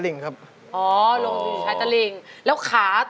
เพลงที่๑มูลค่า๑๐๐๐๐บาท